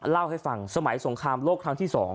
เล่าให้ฟังสมัยสงครามโลกครั้งที่๒